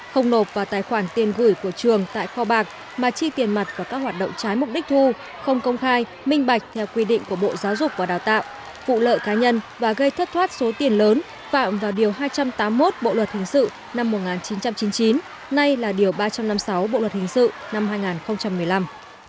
không nộp vào tài khoản tiền gửi của trường tại kho bạc mà chi tiền mặt và các hoạt động trái mục đích thu không công khai minh bạch theo quy định của bộ giáo dục và đào tạo vụ lợi cá nhân và gây thất thoát số tiền lớn phạm vào điều hai trăm tám mươi một bộ luật hình sự năm một nghìn chín trăm chín mươi chín nay là điều ba trăm năm mươi sáu bộ luật hình sự năm hai nghìn một mươi năm